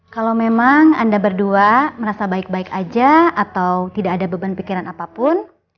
kalau memang anda berdua merasa baik baik aja atau tidak ada beban pikiran apapun